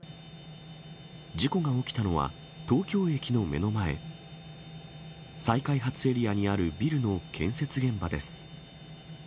事故が起きたのは東京駅の目の前、再開発エリアにあるビルの建設現場です。